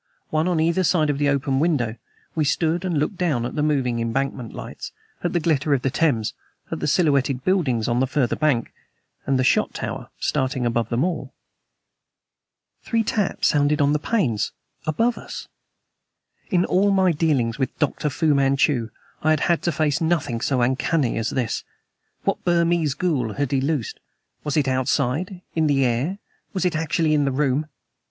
One on either side of the open window, we stood and looked down at the moving Embankment lights, at the glitter of the Thames, at the silhouetted buildings on the farther bank, with the Shot Tower starting above them all. Three taps sounded on the panes above us. In all my dealings with Dr. Fu Manchu I had had to face nothing so uncanny as this. What Burmese ghoul had he loosed? Was it outside, in the air? Was it actually in the room?